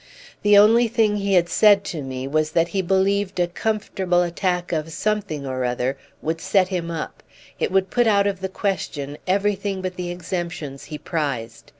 The only thing he said to me was that he believed a comfortable attack of something or other would set him up: it would put out of the question everything but the exemptions he prized.